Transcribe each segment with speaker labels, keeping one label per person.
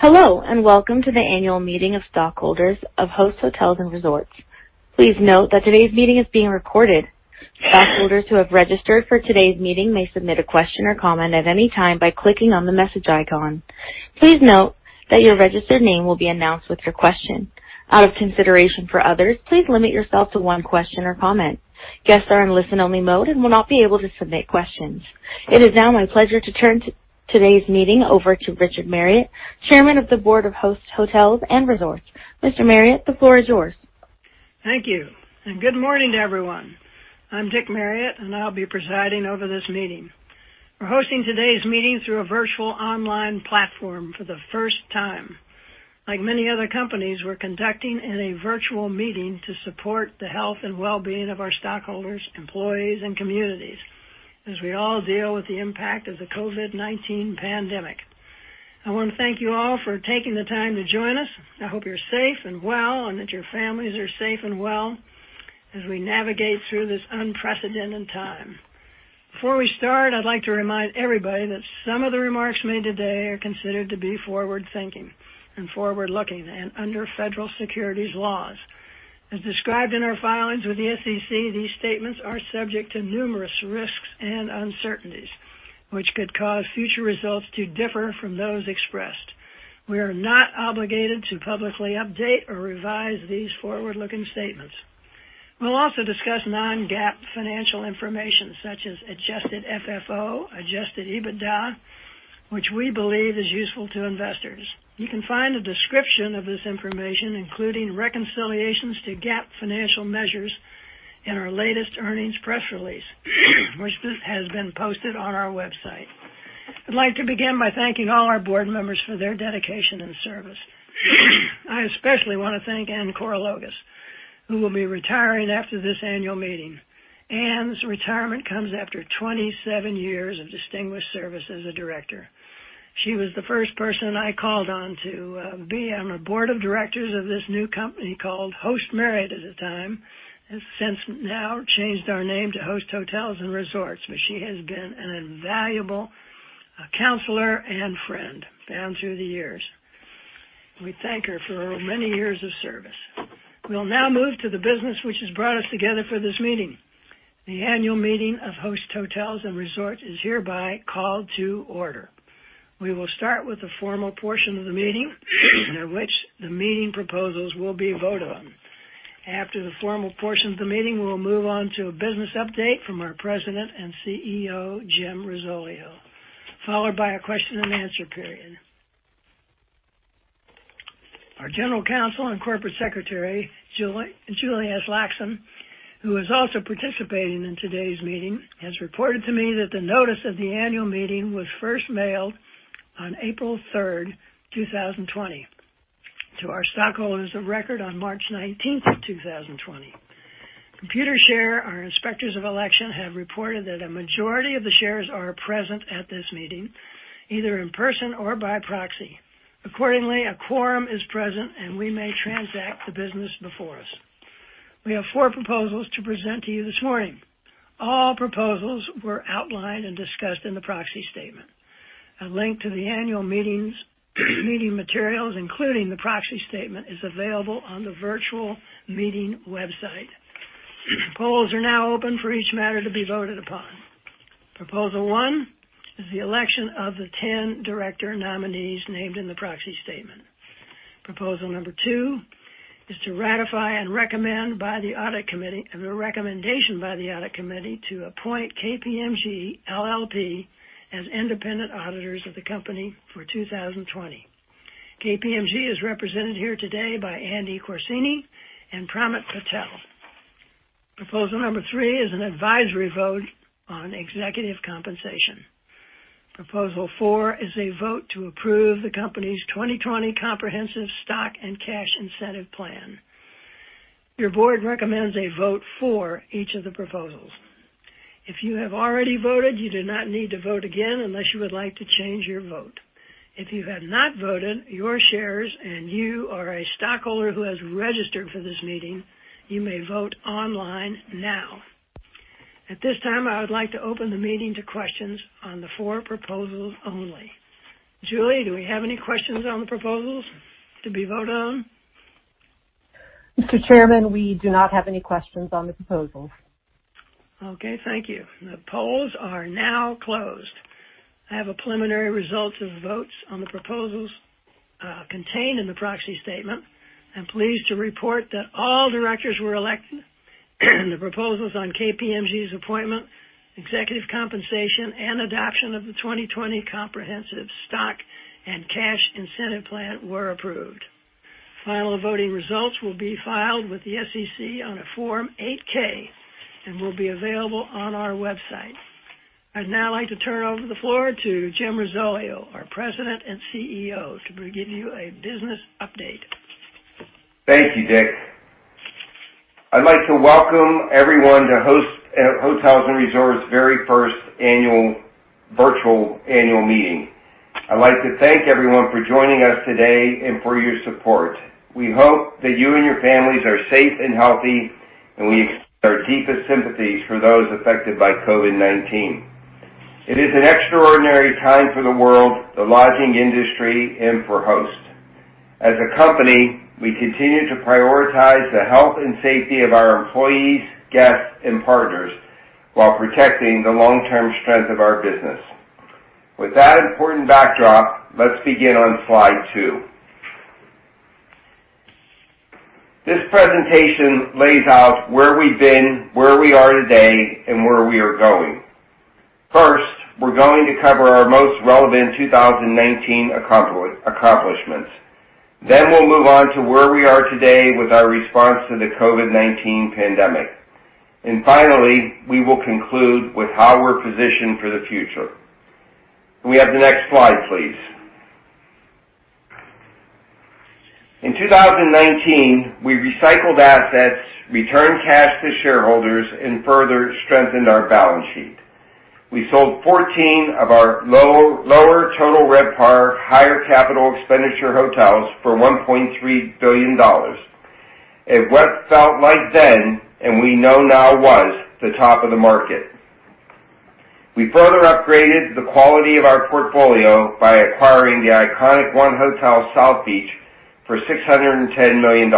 Speaker 1: Hello, welcome to the annual meeting of stockholders of Host Hotels & Resorts. Please note that today's meeting is being recorded. Stockholders who have registered for today's meeting may submit a question or comment at any time by clicking on the message icon. Please note that your registered name will be announced with your question. Out of consideration for others, please limit yourself to one question or comment. Guests are in listen-only mode and will not be able to submit questions. It is now my pleasure to turn today's meeting over to Richard Marriott, Chairman of the Board of Host Hotels & Resorts. Mr. Marriott, the floor is yours.
Speaker 2: Thank you. Good morning to everyone. I'm Dick Marriott. I'll be presiding over this meeting. We're hosting today's meeting through a virtual online platform for the first time. Like many other companies, we're conducting in a virtual meeting to support the health and well-being of our stockholders, employees, and communities as we all deal with the impact of the COVID-19 pandemic. I wanna thank you all for taking the time to join us. I hope you're safe and well, and that your families are safe and well as we navigate through this unprecedented time. Before we start, I'd like to remind everybody that some of the remarks made today are considered to be forward-thinking and forward-looking and under federal securities laws. As described in our filings with the SEC, these statements are subject to numerous risks and uncertainties, which could cause future results to differ from those expressed. We are not obligated to publicly update or revise these forward-looking statements. We'll also discuss non-GAAP financial information such as Adjusted FFO, Adjusted EBITDA, which we believe is useful to investors. You can find a description of this information, including reconciliations to GAAP financial measures, in our latest earnings press release, which has been posted on our website. I'd like to begin by thanking all our board members for their dedication and service. I especially wanna thank Ann Korologos, who will be retiring after this annual meeting. Ann's retirement comes after 27 years of distinguished service as a director. She was the first person I called on to be on the board of directors of this new company called Host Marriott at the time. Has since now changed our name to Host Hotels & Resorts, but she has been an invaluable counselor and friend down through the years. We thank her for her many years of service. We'll now move to the business which has brought us together for this meeting. The annual meeting of Host Hotels & Resorts is hereby called to order. We will start with the formal portion of the meeting, in which the meeting proposals will be voted on. After the formal portion of the meeting, we'll move on to a business update from our President and CEO, Jim Risoleo, followed by a question and answer period. Our General Counsel and Corporate Secretary, Julie P. Aslaksen, who is also participating in today's meeting, has reported to me that the notice of the annual meeting was first mailed on April 3, 2020, to our stockholders of record on March 19, 2020. Computershare, our inspectors of election, have reported that a majority of the shares are present at this meeting, either in person or by proxy. Accordingly, a quorum is present, and we may transact the business before us. We have four proposals to present to you this morning. All proposals were outlined and discussed in the proxy statement. A link to the annual meetings, meeting materials, including the proxy statement, is available on the virtual meeting website. Polls are now open for each matter to be voted upon. Proposal one is the election of the 10 director nominees named in the proxy statement. Proposal number two is to ratify and the recommendation by the Audit Committee to appoint KPMG LLP as independent auditors of the company for 2020. KPMG is represented here today by Andy Corsini and Pramit Patel. Proposal number three is an advisory vote on executive compensation. Proposal 4 is a vote to approve the company's 2020 Comprehensive Stock and Cash Incentive Plan. Your board recommends a vote for each of the proposals. If you have already voted, you do not need to vote again unless you would like to change your vote. If you have not voted, your shares and you are a stockholder who has registered for this meeting, you may vote online now. At this time, I would like to open the meeting to questions on the 4 proposals only. Julie, do we have any questions on the proposals to be vote on?
Speaker 1: Mr. Chairman, we do not have any questions on the proposals.
Speaker 2: Okay, thank you. The polls are now closed. I have a preliminary results of votes on the proposals contained in the proxy statement. I'm pleased to report that all directors were elected, and the proposals on KPMG's appointment, executive compensation, and adoption of the 2020 Comprehensive Stock and Cash Incentive Plan were approved. Final voting results will be filed with the SEC on a Form 8-K and will be available on our website. I'd now like to turn over the floor to Jim Risoleo, our President and CEO, to be giving you a business update.
Speaker 3: Thank you, Dick. I'd like to welcome everyone to Host Hotels & Resorts' very first virtual annual meeting. I'd like to thank everyone for joining us today and for your support. We hope that you and your families are safe and healthy. We extend our deepest sympathies for those affected by COVID-19. It is an extraordinary time for the world, the lodging industry, and for Host. As a company, we continue to prioritize the health and safety of our employees, guests, and partners while protecting the long-term strength of our business. With that important backdrop, let's begin on slide 2. This presentation lays out where we've been, where we are today, and where we are going. First, we're going to cover our most relevant 2019 accomplishments. We'll move on to where we are today with our response to the COVID-19 pandemic. Finally, we will conclude with how we're positioned for the future. Can we have the next slide, please? In 2019, we recycled assets, returned cash to shareholders, and further strengthened our balance sheet. We sold 14 of our lower Total RevPAR, higher capital expenditure hotels for $1.3 billion. It felt like then, and we know now was, the top of the market. We further upgraded the quality of our portfolio by acquiring the iconic 1 Hotel South Beach for $610 million.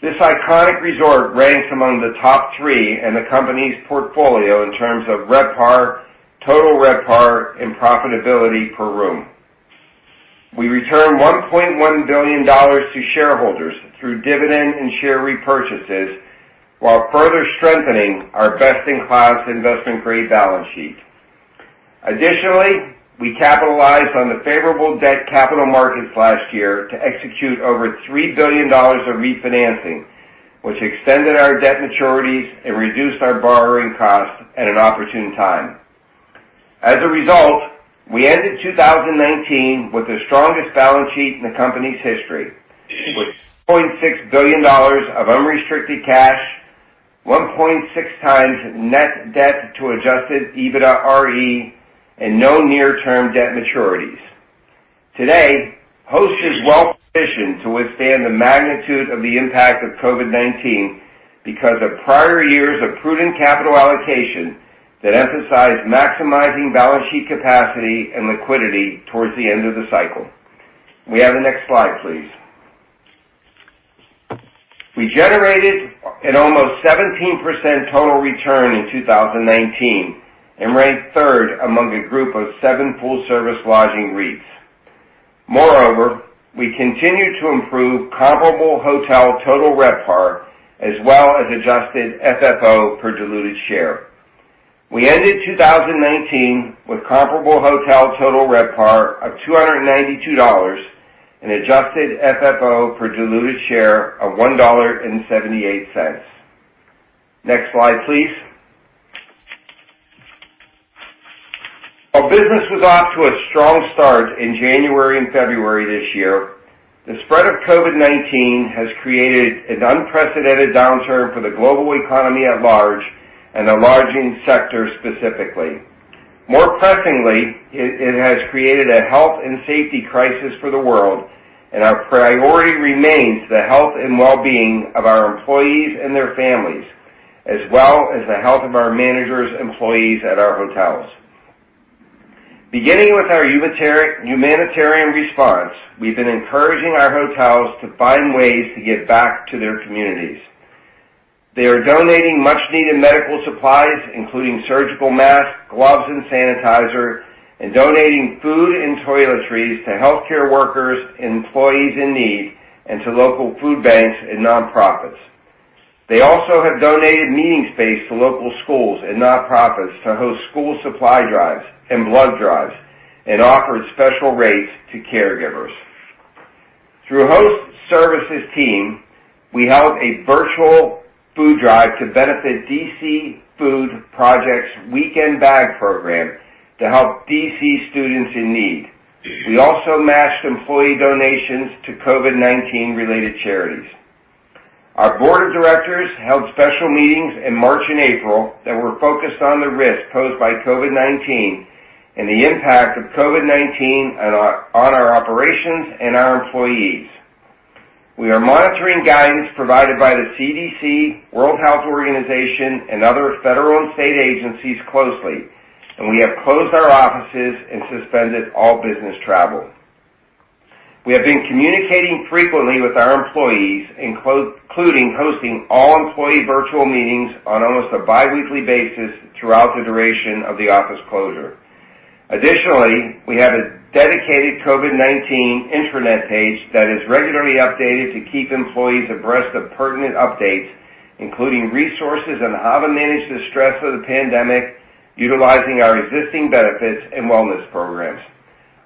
Speaker 3: This iconic resort ranks among the top three in the company's portfolio in terms of RevPAR, Total RevPAR, and profitability per room. We returned $1.1 billion to shareholders through dividend and share repurchases while further strengthening our best-in-class investment-grade balance sheet. We capitalized on the favorable debt capital markets last year to execute over $3 billion of refinancing, which extended our debt maturities and reduced our borrowing costs at an opportune time. We ended 2019 with the strongest balance sheet in the company's history, with $2.6 billion of unrestricted cash, 1.6x net debt to Adjusted EBITDAre, and no near-term debt maturities. Today, Host is well-positioned to withstand the magnitude of the impact of COVID-19 because of prior years of prudent capital allocation that emphasized maximizing balance sheet capacity and liquidity towards the end of the cycle. Can we have the next slide, please? We generated an almost 17% total return in 2019 and ranked third among a group of seven full-service lodging REITs. Moreover, we continued to improve comparable hotel Total RevPAR as well as Adjusted FFO per diluted share. We ended 2019 with comparable hotel Total RevPAR of $292 and Adjusted FFO per diluted share of $1.78. Next slide, please. Our business was off to a strong start in January and February this year. The spread of COVID-19 has created an unprecedented downturn for the global economy at large and the lodging sector specifically. More pressingly, it has created a health and safety crisis for the world. Our priority remains the health and well-being of our employees and their families, as well as the health of our managers, employees at our hotels. Beginning with our humanitarian response, we've been encouraging our hotels to find ways to give back to their communities. They are donating much-needed medical supplies, including surgical masks, gloves, and sanitizer, and donating food and toiletries to healthcare workers, employees in need, and to local food banks and nonprofits. They also have donated meeting space to local schools and nonprofits to host school supply drives and blood drives and offered special rates to caregivers. Through Host Services team, we held a virtual food drive to benefit DC Food Project's Weekend Bag program to help D.C. students in need. We also matched employee donations to COVID-19 related charities. Our board of directors held special meetings in March and April that were focused on the risk posed by COVID-19 and the impact of COVID-19 on our operations and our employees. We are monitoring guidance provided by the CDC, World Health Organization, and other federal and state agencies closely, and we have closed our offices and suspended all business travel. We have been communicating frequently with our employees, including hosting all-employee virtual meetings on almost a biweekly basis throughout the duration of the office closure. Additionally, we have a dedicated COVID-19 intranet page that is regularly updated to keep employees abreast of pertinent updates, including resources on how to manage the stress of the pandemic, utilizing our existing benefits and wellness programs.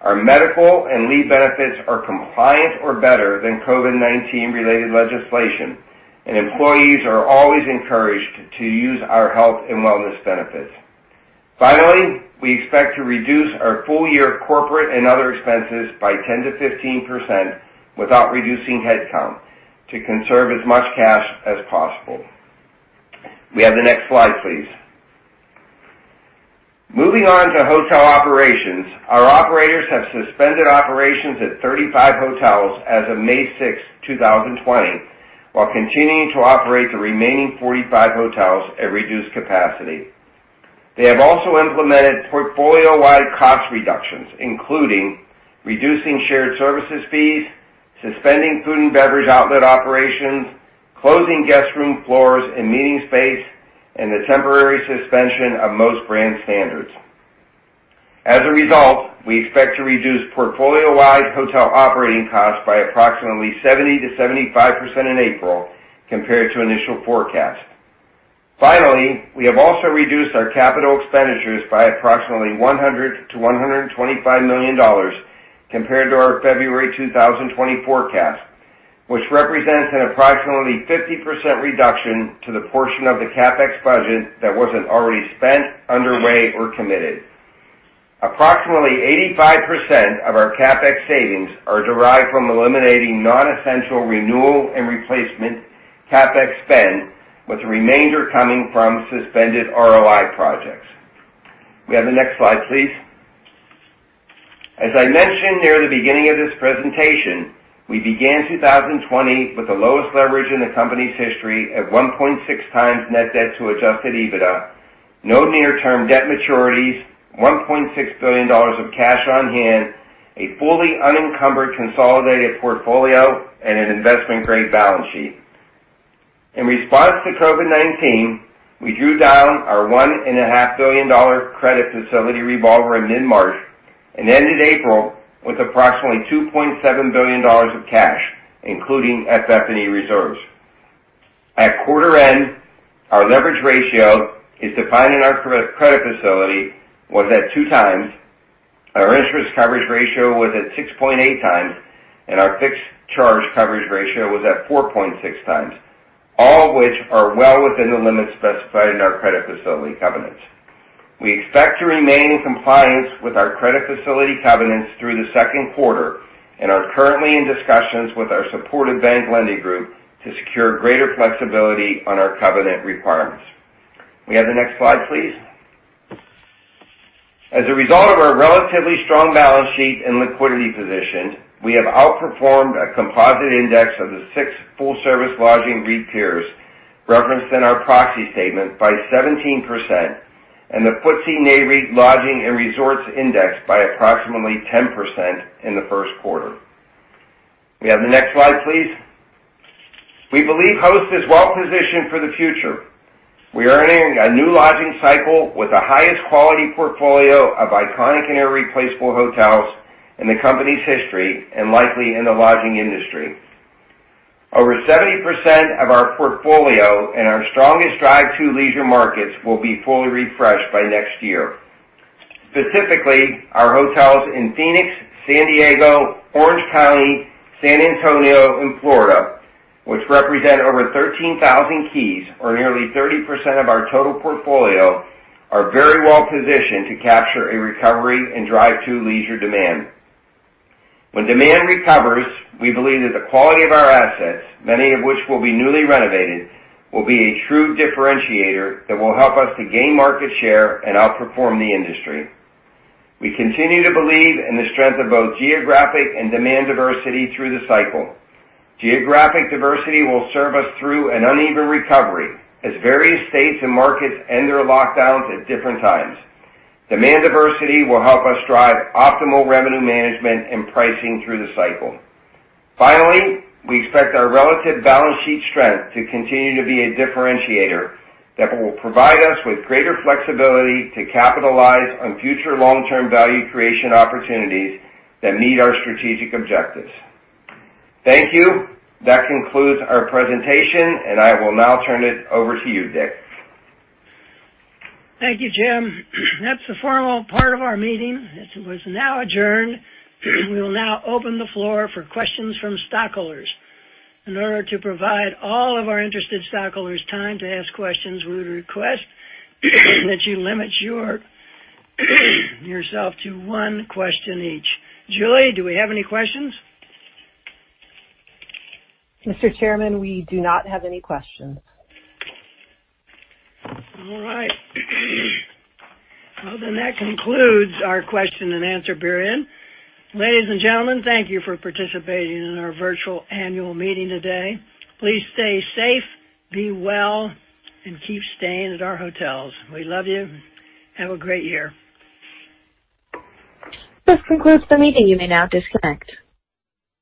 Speaker 3: Our medical and leave benefits are compliant or better than COVID-19 related legislation, and employees are always encouraged to use our health and wellness benefits. Finally, we expect to reduce our full-year corporate and other expenses by 10%-15% without reducing headcount to conserve as much cash as possible. Can we have the next slide, please. Moving on to hotel operations. Our operators have suspended operations at 35 hotels as of May sixth, 2020, while continuing to operate the remaining 45 hotels at reduced capacity. They have also implemented portfolio-wide cost reductions, including reducing shared services fees, suspending food and beverage outlet operations, closing guest room floors and meeting space, and the temporary suspension of most brand standards. As a result, we expect to reduce portfolio-wide hotel operating costs by approximately 70%-75% in April compared to initial forecast. Finally, we have also reduced our capital expenditures by approximately $100 million-$125 million compared to our February 2020 forecast, which represents an approximately 50% reduction to the portion of the CapEx budget that wasn't already spent, underway, or committed. Approximately 85% of our CapEx savings are derived from eliminating non-essential renewal and replacement CapEx spend, with the remainder coming from suspended ROI projects. We have the next slide, please. As I mentioned near the beginning of this presentation, we began 2020 with the lowest leverage in the company's history at 1.6 times net debt to Adjusted EBITDA, no near-term debt maturities, $1.6 billion of cash on hand, a fully unencumbered consolidated portfolio, and an investment-grade balance sheet. In response to COVID-19, we drew down our $1.5 billion credit facility revolver in mid-March and ended April with approximately $2.7 billion of cash, including FF&E reserves. At quarter end, our leverage ratio is defined in our current credit facility was at 2 times. Our interest coverage ratio was at 6.8 times, and our fixed charge coverage ratio was at 4.6 times, all of which are well within the limits specified in our credit facility covenants. We expect to remain in compliance with our credit facility covenants through the second quarter and are currently in discussions with our supported bank lending group to secure greater flexibility on our covenant requirements. Can we have the next slide, please? As a result of our relatively strong balance sheet and liquidity position, we have outperformed a composite index of the six full-service lodging REIT peers referenced in our proxy statement by 17% and the FTSE Nareit Equity Lodging/Resorts Index by approximately 10% in the first quarter. Can we have the next slide, please? We believe Host is well-positioned for the future. We are entering a new lodging cycle with the highest quality portfolio of iconic and irreplaceable hotels in the company's history and likely in the lodging industry. Over 70% of our portfolio and our strongest drive to leisure markets will be fully refreshed by next year. Specifically, our hotels in Phoenix, San Diego, Orange County, San Antonio, and Florida, which represent over 13,000 keys or nearly 30% of our total portfolio, are very well positioned to capture a recovery and drive to leisure demand. When demand recovers, we believe that the quality of our assets, many of which will be newly renovated, will be a true differentiator that will help us to gain market share and outperform the industry. We continue to believe in the strength of both geographic and demand diversity through the cycle. Geographic diversity will serve us through an uneven recovery as various states and markets end their lockdowns at different times. Demand diversity will help us drive optimal revenue management and pricing through the cycle. Finally, we expect our relative balance sheet strength to continue to be a differentiator that will provide us with greater flexibility to capitalize on future long-term value creation opportunities that meet our strategic objectives. Thank you. That concludes our presentation, and I will now turn it over to you, Dick.
Speaker 2: Thank you, Jim. That's the formal part of our meeting. This is now adjourned. We will now open the floor for questions from stockholders. In order to provide all of our interested stockholders time to ask questions, we would request that you limit yourself to one question each. Julie, do we have any questions?
Speaker 1: Mr. Chairman, we do not have any questions.
Speaker 2: All right. That concludes our question and answer period. Ladies and gentlemen, thank you for participating in our virtual annual meeting today. Please stay safe, be well, and keep staying at our hotels. We love you. Have a great year.
Speaker 1: This concludes the meeting. You may now disconnect.